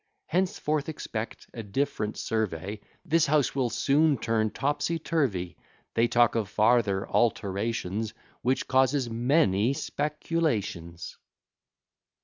Henceforth expect a different survey, This house will soon turn topsyturvy; They talk of farther alterations, Which causes many speculations.